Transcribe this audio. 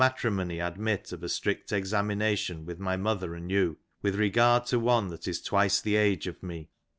" triraony admit of a strict examination with my mother and you, ^' with regard to one that is twice the age of me